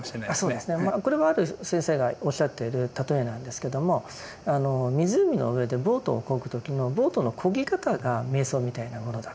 あそうですね。これはある先生がおっしゃっている例えなんですけども湖の上でボートをこぐ時のボートのこぎ方が瞑想みたいなものだと。